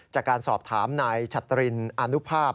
จากการสอบถามนายชัตรินอนุภาพ